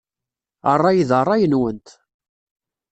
Ṛṛay d ṛṛay-nwent.